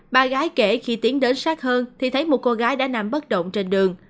ba gái kể khi tiến đến sát hơn thì thấy một cô gái đã nằm bất động trên đường